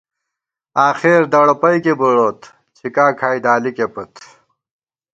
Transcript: آخر دڑَپَئکے بُڑوت ، څِھکا کھائی دالِکے پت